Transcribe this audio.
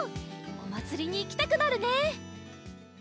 おまつりにいきたくなるね！